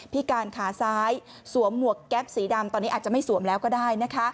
พิการขาซ้ายสวมหมวกแก๊ปสีดำตอนนี้อาจจะไม่สวมแล้วก็ได้นะคะ